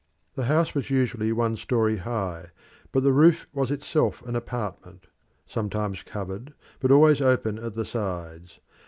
The house was usually one storey high, but the roof was itself an apartment, sometimes covered, but always open at the sides.